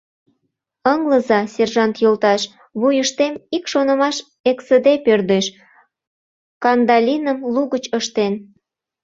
— Ыҥлыза, сержант йолташ, вуйыштем ик шонымаш эксыде пӧрдеш, — Кандалиным лугыч ыштен.